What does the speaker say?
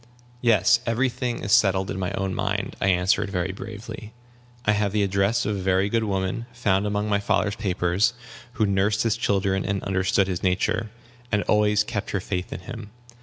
"Yes, every thing is settled in my own mind," I answered, very bravely: "I have the address of a very good woman, found among my father's papers, who nursed his children and understood his nature, and always kept her faith in him.